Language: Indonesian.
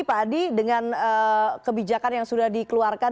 pak adi dengan kebijakan yang sudah dikeluarkan